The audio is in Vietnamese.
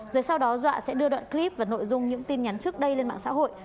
rồi sau đó dọa sẽ đưa đoạn clip và nội dung những tin nhắn trước đây lên mạng xã hội